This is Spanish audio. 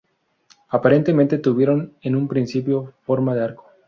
Aparentemente tuvieron en un principio forma de arco.